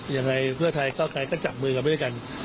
ยังไงเพื่อไทยเก้าไกลก็จับมือกันไปด้วยกัน